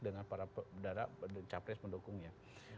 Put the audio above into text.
dengan para pedara capres mendukungnya